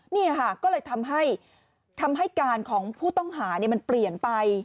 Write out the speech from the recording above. นี่ก็เลยทำให้การของผู้ต้องหาเปลี่ยนไป